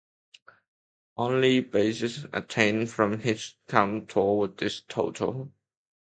Only bases attained from hits count toward this total.